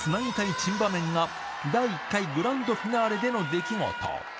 珍場面が第１回グランドフィナーレでの出来事。